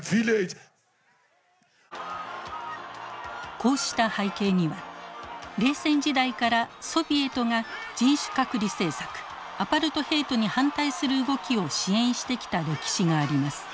こうした背景には冷戦時代からソビエトが人種隔離政策アパルトヘイトに反対する動きを支援してきた歴史があります。